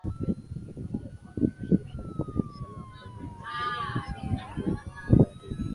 chi sharif wa dar es salaam tanzania unasema mungu ibariki